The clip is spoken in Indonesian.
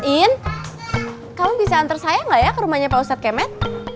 in kamu bisa antar saya nggak ya ke rumahnya pak ustadz kemen